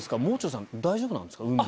もう中さん大丈夫なんですか？